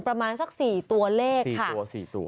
ประมาณสัก๔ตัวเลข๔ตัว๔ตัว